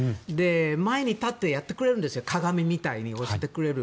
前でぱっとやってくれるんです鏡みたいに、教えてくれる。